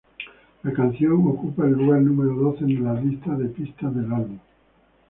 La canción ocupa el lugar número doce en la lista de pistas del álbum.